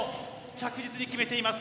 着実に決めています。